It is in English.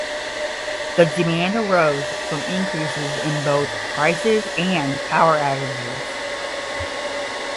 This demand arose from increases in both prices and power outages.